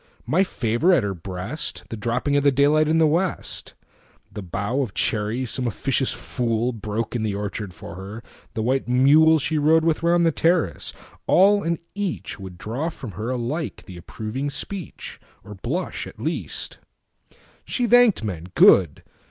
My favor at her breast, The dropping of the daylight in the West, The bough of cherries some officious foolBroke in the orchard for her, the white muleShe rode with round the terrace—all and eachWould draw from her alike the approving speech, Or blush, at least. She thanked men,—good!